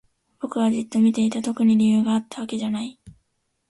僕はじっと見ていた。特に理由があったわけじゃない。